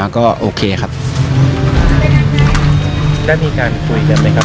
จะมีการคุยกันไหมครับพี่